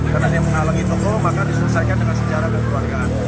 karena dia menghalangi toko maka diselesaikan dengan sejarah dan keluarga